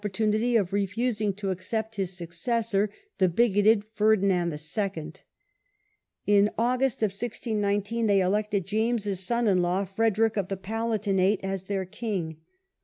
tunity of refusing to accept his successor, the bigoted Ferdinand II. In August, 16 19, they elected James's son in law, Frederick of the Palatinate, as their king.